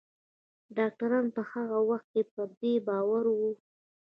ډاکتران په هغه وخت کې پر دې باور وو